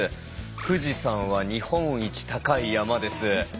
「富士山は日本一高い山です」。